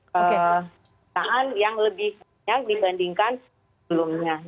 perusahaan yang lebih banyak dibandingkan sebelumnya